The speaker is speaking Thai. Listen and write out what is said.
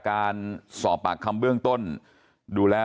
สวัสดีครับคุณผู้ชาย